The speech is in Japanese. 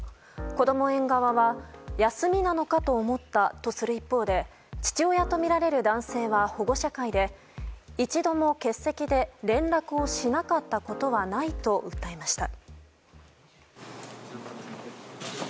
こども園側は休みなのかと思ったとする一方で父親とみられる男性は保護者会で一度も欠席で連絡をしなかったことはないと訴えました。